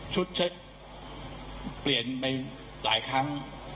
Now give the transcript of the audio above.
เช็คเปลี่ยนไปหลายครั้ง